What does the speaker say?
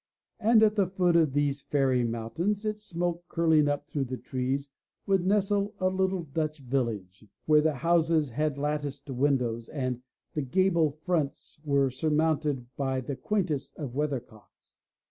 And at the foot of these fairy mountains, its smoke curling up through the trees, would nestle a little Dutch village, where the houses had latticed windows and the gable fronts were surmounted by the quaintest of weathercocks.